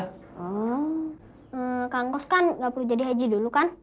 kak angkos kan enggak perlu jadi haji dulu kan